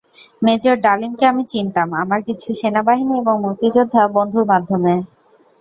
Major ডালিমকে আমি চিনতাম আমার কিছু সেনাবাহিনী এবং মুক্তিযোদ্ধা বন্ধুর মাধ্যমে।